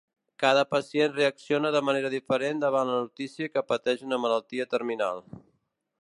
Cada pacient reacciona de manera diferent davant la notícia que pateix una malaltia terminal.